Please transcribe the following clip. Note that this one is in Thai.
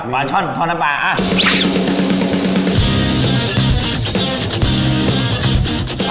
ช่อนท่อน้ำปลาอ่ะ